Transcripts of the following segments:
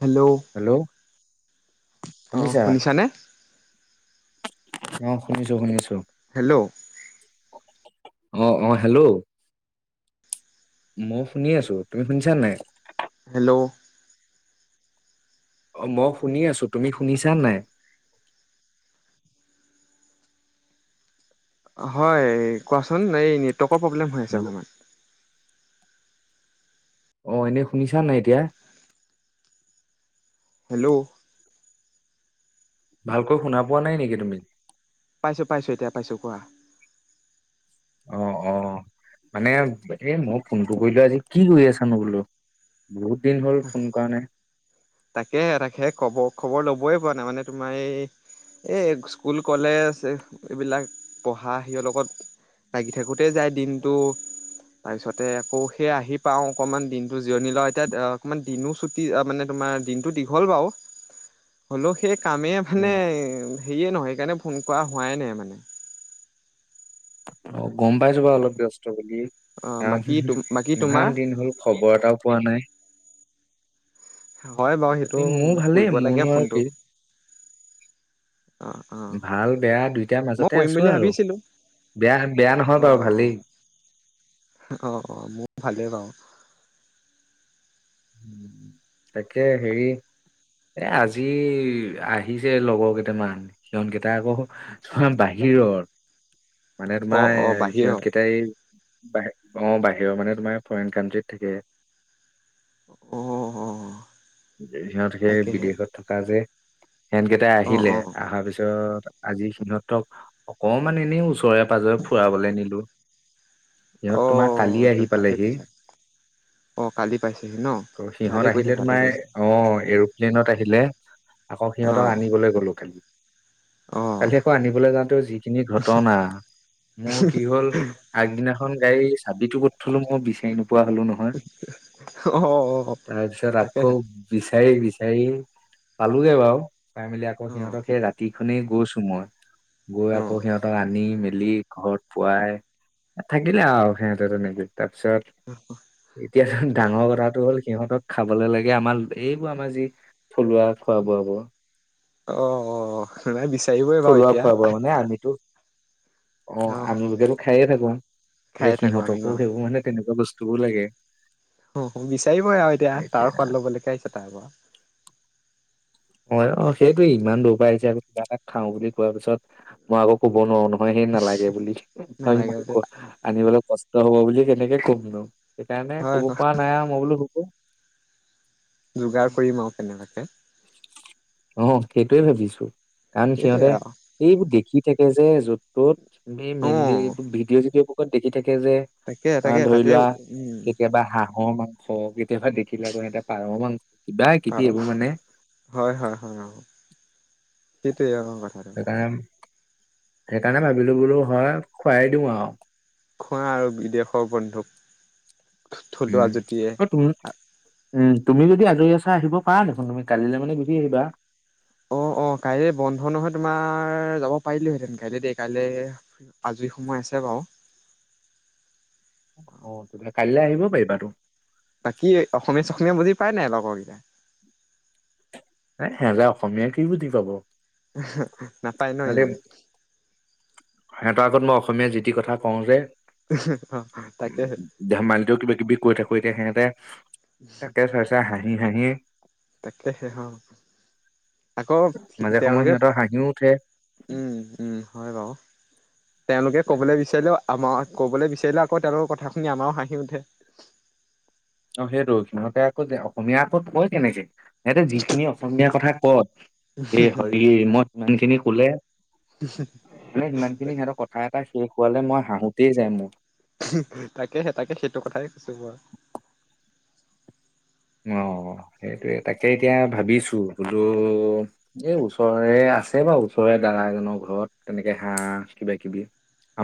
Hello অ, শুনিছা শুনিছানে? অ, শুনিছো-শুনিছো হেল্ল' অ-অ, হেল্ল' মই শুনি আছো, তুমি শুনিছা নাই? হেল্ল' অ, মই শুনি আছোঁ। তুমি শুনিছা নাই? হয়, কোৱাচোন এই ন [unintelligible] নেটৱৰ্কৰ প্ৰব্লেম হৈ আছে অকণমান। অ, এনেই শুনিছা নাই এতিয়া? হেল্ল' ভালকৈ শুনা পোৱা নাই নেকি তুমি? পাইছোঁ-পাইছোঁ, এতিয়া পাইছোঁ কোৱা। অ-অ, মানে এ মই ফোনটো কৰিলো আজি কি কৰি আছানো বোলো? বহুত দিন হ'ল ফোন কৰা নাই তাকে-তাকে, খবৰ-খবৰ ল'ব। সময়ে পোৱা নাই, মানে তোমাৰ এই এই স্কুল, কলেজ এইবিলাক পঢ়া সেইৰ লগত লাগি থাকোঁতেই যায় দিনটো, তাৰপিছতে আকৌ সেই আহি পাওঁ অকণমান দিনটো জিৰণি লওঁ এতিয়া। অকণমান দিনো ছুটি, মানে তোমাৰ দিনটো দীঘল বাৰু হ'লেও সেই কামেই মানে উম হেৰিয়ে নহয়, সেইকাৰণে ফোন কৰা হোৱাই নাই মানে। অ, গম পাইছো বাৰু অলপ ব্যস্ত। ব্যস্ত বুলি, অঁ কাৰণ বাকী বাকী তোমাৰ? ইমান দিন হল খবৰ এটাও পোৱা নাই। হয় বাৰু সেইটো বাকী মোৰ মোক ভালেই, কৰিব লাগে মোৰনো আৰু ফোনটো কি অ অ ভাল বেয়া দুইটাৰ মই মাজতে কৰিম আছো বুলি আৰু। ভাবিছিলো বেয়া নহয় বাৰু ভালেই। অ-অ, মোৰ ভালেই বাৰু। তাকে হেৰি, এ আজি আহিছে লগৰ কেইটামান সিহত কেইটা আকৌ বাহিৰত মানে অ তোমাৰ অ বাহিৰৰ সিহঁতকেইটাই বাহিৰৰ অ বাহিৰৰ মানে তোমাৰ ফ্ৰৰেইন কানট্ৰিত থাকে। অ অ সিহঁত সেই তাকেহে বিদেশত থকা যে সিহতকেইটাই অ আহিলে, অ অহাৰ পিছত আজি সিহঁতক অকমান এনে ওচৰে পাজৰে ফুৰাবলৈ নিলো। সিহঁত অ তোমাৰ কালি ত আহি ভালে পালেহি। কৈছা অ কালি পাইছেহি ন তো ভালে সিহঁত কৈছা আহিলে, ভালে তোমাৰ কৈছা অ' এৰ'প্লেনত আহিলে। [unintelligible] আকৌ অ সিহঁতক আনিবলৈ গ'লোঁ কালি। অ কালি আকৌ আনিবলৈ যাওঁতে যিখিনি ঘটনা, মোৰ কি হ'ল, আগদিনা এখন গাড়ী চাবিতো ক'ত থলো মই বিচাৰি নোই পোৱা নোপোৱা হলো নহয়। অ অ তাৰপিছত আকৌ তাকেহে বিচাৰি, বিচাৰি পালোগে বাৰু। চাই মেলি আকৌ অ সিহঁতক সেই ৰাতি খনেই গৈছোঁ মই। গৈ অ আকৌ সিহঁতক আনি, মে মেলি ঘৰত পোৱাই থাকিলে, আৰু সিহঁতে তেনেকে। তাৰপিছত দিয়া। ডাঙৰ কথাটো হ'ল, সিহঁতক খাবলে লাগে, আমাৰ এইবোৰ আমাৰ যি থলুৱা খোৱা বোৱা বোৰ। অ অ নাই বিচাৰিবই বাৰু থলুৱা এতিয়া খোৱা বোৱা মানে আমিতো, অ আমি বোৰেতো খায়ে থাকো। খাই এতিয়া থাকো আমি সিহঁতকো বাৰু সেইবোৰ মানে তেনেকুৱা বস্তু। টোকো লাগে। অ বিচাৰিবই আৰু এতিয়া। তাৰ সোৱাদ লবলেকে আহিছে তাৰ ঘৰত হয় অ' সেইটোয়ে ইমান দূৰ পাই আহিছে, আৰু কিবা এটা খাও বুলি খোৱাৰ পিছত মই আকৌ ক'ব নোৱাৰোঁ ন। হয় সেই নালাগে বুলি নালাগে বুলি আনিবলৈ কষ্ট। ত হ'ব বুলি কেনেকে কমনো। সেইকাৰণে হয় কব পৰা নাই আৰু মই বোলো [unintelligible] যোগাৰ কৰিম আৰু কেনেবাকে অ' সেইটোৱে ভাবিছোঁ। কাৰণ সেইটোৱে সিহঁতে আৰু এইবোৰ দেখি থাকে যে, য'ত, ত'ত। এই অ মেইনলি এইবোৰ ভিডিঅ' চিডিঅ'বোৰ কত দেখি থাকে? এই যে তাকে তোমাৰ তাকে ধৰি তাতে লোৱা, উম কেতিয়াবা হাঁহৰ মাংস অ'! কেতিয়াবা দেখিলে আৰু সিহতে পাৰ মাংস কিবা কিবি এইবোৰ মানে সেইটোৱেই, ডাঙৰ কথাটো। সেইকাৰণে সেইকাৰণে ভাবিলোঁ বোলোঁ হয়, খোৱাই দিওঁ আৰু। খোৱা আৰু বিদেশৰ বন্ধুক। থলুৱা উম জুতিয়ে ব ত উম তুমি যদি আজৰি আছা আহিব পাৰা দেখোন তুমি কালিলৈ মানে গুচি আহিবা। অ অ কাইলৈ বন্ধ নহয় তোমাৰ যাব পাৰিলোহেঁতেন কাইলে দেই কাইলৈ আজৰি সময় আছে বাৰু। অ তেতিয়া কাইলৈ আহিব পাৰিবা তো। বাকী অসমীয়া চখমীয়া বুজি পাই নাই লগৰকেইটাই? এ সিহঁতে অসমীয়া কি বুজি পাব। নাপায় ন সিহঁতে ইমান। সিহঁতৰ আগত মই অসমীয়া যি তি কথা কওঁ যে অ উ তাকেহে ধেমালিটোও কিবা কিবি কৈ থাকো এতিয়া সিহঁ [unintelligible] তাকে চাই চাই হাঁহি সি হাঁহি তাকেসেহ। আকৌ মাজে সময়ে তেওঁলোকে ও সিহঁতৰ হাঁহিও উঠে ও হয় বাৰু তেওঁলোকে ক'বলৈ বিচাৰিলেও আমাৰ ক'বলৈ বিচাৰিলে আকৌ তেওঁলোকৰ কথা শুনি আমাৰও হাঁহি উঠে। অ সেইটো সিহঁতে আকৌ অসমীয়া আকৌ কয় কেনেকে? ইহতে যিখিনি অসমীয়া কথা কয় এই হৰি মই সিমানখিনি কুলে মানে ইমানখিনি সিহঁতৰ কথা এটা শেষ শুৱালে মই হাঁহোতেই যায় মোৰ। তাকেহে তাকে সেইটো কথাই কৈছো মই। অ সেইটোয়ে তাকে এতিয়া ভাবিছো ছো বোলো এই ওচৰৰে আছে বা ওচৰৰে দাদা এজনৰ ঘৰত তেনেকে হাঁহ কিবা কিবি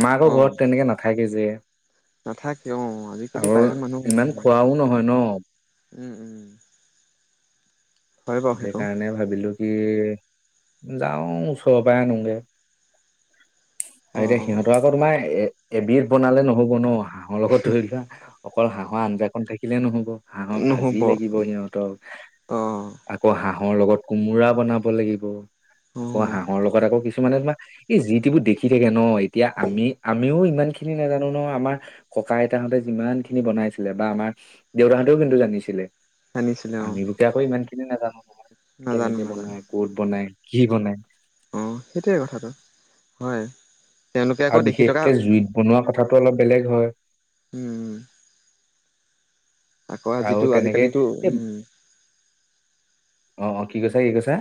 আমাৰ আকৌ ঘৰত অ' তেনেকে নাথাকে যে নাথাকে অ' আজিকালি আৰু প্ৰায়ভাগ ইমান খোৱাও নহয় ন। ওম ওম সেইকাৰণে ভাবিলো কি এ যাও ওচপাই আনোগে। আৰু অ', এতিয়া অ' সিহঁতৰ আকৌ তোমাৰ এ এবিধ বনালে নহ'ব ন। হাঁহৰ লগত ধৰি লোৱা অকল হাঁহৰ আঞ্জা কন থাকি কিলে নহ'ব হাঁহৰ নহ'ব ভাজি লাগিব সিহঁতক। অ', আকৌ হাহ ৰ লগত কোমোৰা বনাব লাগিব। আকৌ অ'। হাঁহৰ লগত আকৌ কিচু- কিছুমানে তোমাৰ এই যি টিবোৰ দেখি থাকে ন। এতিয়া আমি আমিও ইমান খিনি নাজানো ন আমাৰ ককা আইতাহঁতে যিমান খিনি বনাইছিলে বা আমাৰ দেউতাহঁতেও কিন্তু জানিছিলে। আনিছিলে অ' আমিবোকে আকৌ ইমানখিনি কি নাজানোঁ নাজানো কেনেকে নাজানো বনাই ক'ত বনাই। কি বনাই? অ সেইটোৱে কথাটো। হয়। তেওঁলোকে আকৌ আৰু দেখি থকা বিশেষকে জুইত বনোৱা কথাটো অলপ বেলেগ হয়। উম, আকৌ আৰু যিটো তেনেকে আজিকালিতো এই উম। অ অ কি কৈছা কি কৈছা।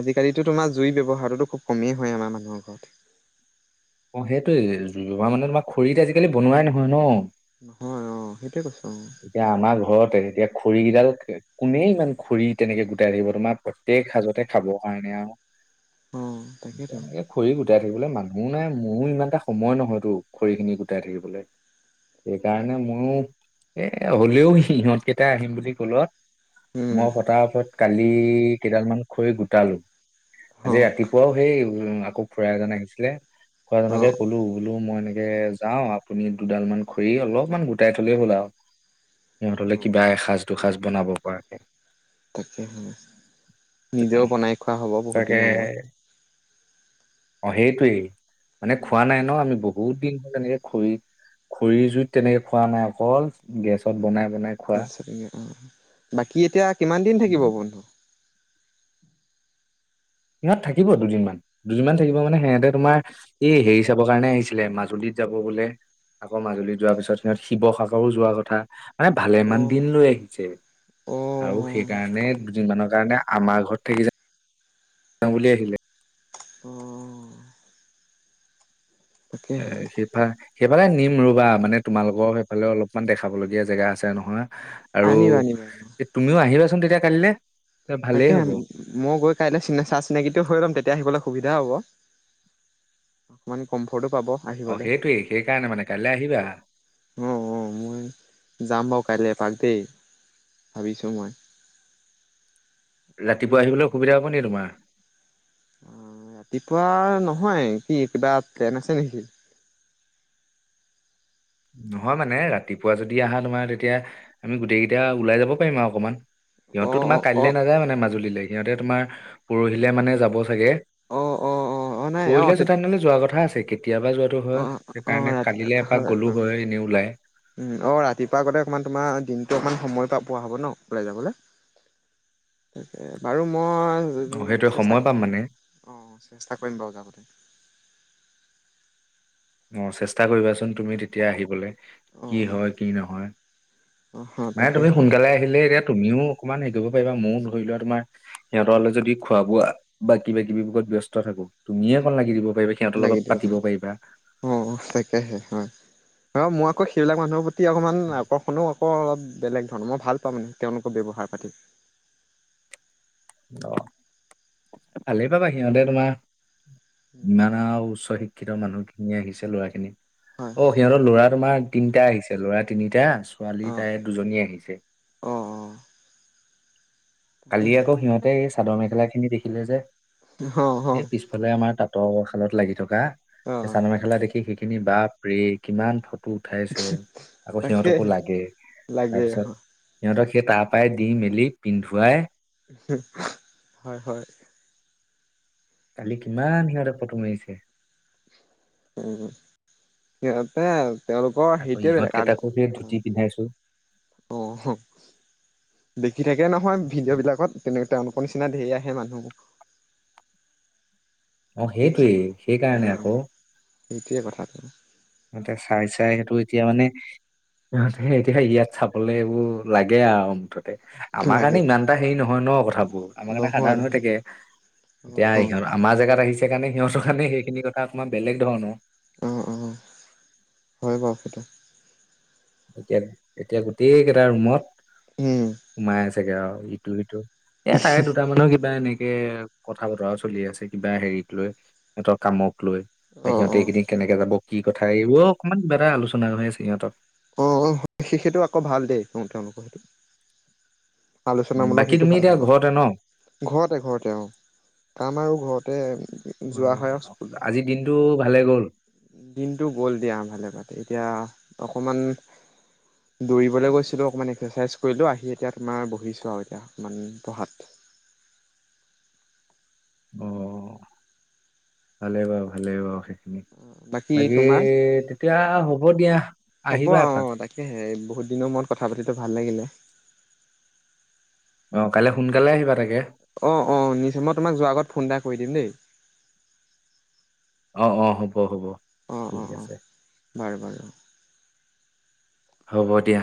আজিকালিতো তোমাৰ জুইৰ ব্যৱহাৰটোতো খুব কমেই হয় আমাৰ মানুহৰ ঘৰত। অ সেইটোয়ে জুইৰ মানে তোমাৰ খৰিত আজিকালি বনোৱাই নহয় ন। নহয় অ সেইটোৱে কৈছোঁ। অ। খৰি কেইডাল কোনে ইমান খৰি তেনেকে গোটাই থাকিব তোমাৰ প্ৰত্যেক সাজতে খাব কাৰণে আৰু। অ' তাকেইতো। তেনেকে খৰি গোটাই থাকিবলৈ মানুহ। নাই মোৰো ইমান এটা সময় নহয়তো খৰি খিনি গোটাই থাকিবলে। অ সেইকাৰণে মইয়ো। এ হ'লেও সিহঁতকেইটা আহিম বুলি ক'লত। উম মই ফতাফত। কালি কেইডাল মান খৰি গোটালো। হ আজি ৰাতিপুৱাও সেই উ আকৌ। খুড়া এজন আহিছিলে। খুড়া অ এজনকে ক'লো বোলো মই এনেকে। যাওঁ আপুনি দুডাল মান খৰি অলপমান গোটাই থ'লে হ'ল আও। সিহঁত হ'লে অ কিবা এসাঁজ দুসাঁজ। বনাব পৰাকে। তাকে নিজেও বনাই খোৱা হ'ব বহুত দিনৰ তাকে মূৰত। [unintelligible] মানে খোৱা নাই ন আমি বহুত। তেনেকে খৰি খৰিৰ জুইত তেনেকে খোৱা নাই অকল গেছত বনাই। বনাই খোৱা [inaudible] বাকী এতিয়া। কিমান দিন থাকিব বন্ধু। সিহঁত থাকিব দুদিনমান। দুদিনমান থাকিব মানে সিহঁতে তোমাৰ এই হেৰি চাবৰ কাৰণে আহিছিলে মাজুলীত যাব বোলে, আকৌ মাজুলীত যোৱাৰ পিছত সিহঁত শিৱসাগৰো যোৱাৰ কথা। মানে অ ভালেমান দিন লৈ আহিছে অ আৰু সেইকাৰণে দুদিনমানৰ সেই আমাৰ ঘৰত থাকি যা আঙুলি আহিলে। অহ। এ সিফা সেইফালে নিম ৰবা মানে তোমালোকৰ সেইফালে অলপমান দেখাবলগীয়া জেগা আছে নহয়। আৰু আনিবা আনিবা তুমিও আহিবা তেতিয়া কাইলে। তাকে মই গৈ কাইলৈ চ চা-চিনাকিটোও হৈ লম তেতিয়া আহিবলৈ সুবিধা হ'ব। অকমান কমফৰ্ট অ সেইটোৱেই, সেইকাৰণে মানে কাইলৈ আহিবা। অ-অ মই যাম বাৰু কাইলৈ এপাক দেই, ভাবিছো মই। ৰাতিপুৱা আহিবলৈ অসুবিধা হ'ব নিকি তোমাৰ? অ ৰাতিপুৱা নহয়। কি কিবা ট্ৰেইন আছে নেকি? নহয় মানে ৰাতিপুৱা যদি আহা তোমাৰ তেতিয়া আমি গোটেই কেইটা ওলাই যাব পাৰিম আৰু অকমান। সিহঁত অ তোমাৰ অ অ কাইলৈ নাযায় মান মাজুলীলৈ। সিহঁতে তোমাৰ পৰহিলৈ মানে যাব চাগে। অ অ অ অ নাই অ পৰখিলে তেতিয়া [unintelligible] যোৱা কথা আছে কেতিয়া কেতিয়াবা যোৱাতটো হয়। সেইকাৰণে কালিলে এপাক অহ, হয় এনেই ওলাই উম। অহ, ৰাতিপুৱা আগতে অকমান তোমাৰ দিনটো অকমান সময় পা পোৱা হ'ব ন ওলাই যাবলে? তাকে বাৰু মই অ সেইটোৱে চেষ্টা সময় কৰিম পাম মানে [unintelligible] অহ চেষ্টা কৰিম বাৰু যাবলে। অ চেষ্টা কৰিবাচোন তুমি তেতিয়া আহিবলৈ। অ কি হয়, কি নহয়। অ অ মানে তাকে তুমি সোনকালে আহিলে এতিয়া তুমিও অকমান হেৰিব পাৰিবা। ময়ো ধৰি লোৱা তোমাৰ সিহঁতৰলে যদি খোৱা বোৱা বা কিবা-কিবি ব্যস্ত থাকো তুমিয়ে কন লাগি দিব পাৰিবা সিহঁতৰ লাগি লগত দিয়ক পাতিব পাৰিবা। অ তাকেহে হয়। ৰ মই আকৌ সেইবিলাক মানুহৰ পতি তি অকণমান আকৰ্ষণো ক অলপ বেলেগ ধৰণৰ। মই ভাল পাওঁ মানে তেওঁলোকৰ ব্যৱহাৰ পাতি। অ ভালেই পাবা সিহঁতে তোমাৰ উম ইমান আৰু উচ্চ শিক্ষিত মানুহ। ধুনীয়া আহিছে ল'ৰা খিনি। হয় অ হয় সিহঁতৰ ল'ৰা তোমাৰ তিনিটা আহিছে। ল'ৰা তিনিটা ছোৱালী অ তাই দুজনী আহিছে। অ অ কালি তাকেহে আকৌ সিহঁতে চাদৰ মেখেলা খিনি দেখিলে যে। অ অ এই পিছফালে আমাৰ তাত। ত শালত লাগি থকা। অ চাদৰ মেখেলা দেখি শিকি খিনি বাপৰে কিমান ফ টো উঠাইছে, আকৌ তাকে সিহঁতকো লাগে। তাৰ লাগে পিছত সিহঁতক তাৰ পাই দি মেলি পিন্ধো ৱাই হয় হয়। কালি কিমান সিহঁতৰ ফটো মাৰিছে। উম সিঁহতে তাৰ পা ইহঁত কেইটাকো সেই ধুতি পিন্ধাইছো। অ'। দেখি থাকে নহয় ভিডিঅ' বিলাকত তেনেক তেওঁলোকৰ নিচিনা ধেৰ আহে মানুহবোৰ। অ সেইটোৱেই সেইকাৰণে আকৌ। সেইটোৱে কথাটো। সিহঁতক চাই চাই সেইটো এতিয়া মানে সিঁহতে এতিয়া ইয়াত চাবলে এইবোৰ লাগে আৰু মুঠত তে। আমাৰ কাৰণে লাগে ইমান এটা হেৰি নহয় ন কথাবোৰ, আমাৰ কাৰণে নহয় সাধাৰণ হৈ থাকে। অ এতিয়া অ ইহঁত আমাৰ জেগাত আহিছে সেইকাৰণে সিহঁতৰ কাৰণে সেইখিনি কথা অকমান বেলেগ ধৰণৰ। অঁ অঁ। হয় বাৰু সেইটো। এতিয়া - এতিয়া গোটেই কেইটা ৰুমত উম সোমাই আছে। চাগে আৰু ইটো সি। এ তাৰে দুটা মানৰ কিবা এনে কে কথা বতৰাও চলি আছে কিবা হেৰিক লৈ, সিহঁতৰ কামক লৈ আৰু অ সিহঁতে অ এইকেদিন কেনেকে যাব কি কথা এইবোৰ অকণমান কিবা এটা আলোচনা হৈ আছে সিহঁতৰ অঁ অঁ সেই সেইেতটো আকৌ ভাল দেই তেওঁলোকৰ সেইটো। আলোচনামূলক বাকী সেইটো তুমি ভাল এতিয়া হয়, ঘৰতে ন ঘৰতে ঘৰতে অ। কাম আৰু ঘৰতে অ যোৱা হয় আৰু স্কুল। আজিৰ দিনটো ভালে গ'ল দিনটো গ'ল দিয়া ভালে ভাে এতিয়া। অকণমান দৌৰিবলৈ গৈছিলোঁ অকণমান এক্সাৰচাইজ কৰিলোঁ আহি এতিয়া। তোমাৰ বহি চোৱা অভ্যাস কিমান পঢ়াত। অ ভালে বাওঁ ভালেই বাও। অ বাকী তোমাৰ হ'ব দিয়া হ'ব আহিবা অ এপাক তাকে হে বহুত দিনৰ মূৰত কথা পাতিলো ভাল লাগিলে। অঁ কাইলৈ সোনকালে আহিবা তাকে অঁ অঁ নিশ্চয় মই তোমাক যোৱাৰ আগত ফোন এটা কৰি দিম দেই। অঁ অঁ হ'ব হ'ব হ'ব অ' ঠিক অ' অ' আছে। বাৰু বাৰু হ'ব দিয়া।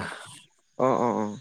অঁ অঁ অঁ